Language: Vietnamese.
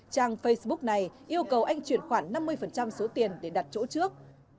trang facebook này yêu cầu anh chuyển khoản năm mươi số tiền để đặt chỗ trước